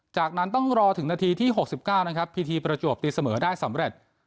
จากนั้นต้องรอถึงนาทีที่๖๙นะครับพีทีประจวบตีเสมอได้สำเร็จ